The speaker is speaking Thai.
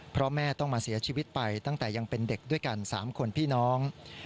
เพราะแม่ต้องมาเสียชีวิตไปตั้งแต่ยังเป็นเด็กด้วยกัน๓คนพี่น้อง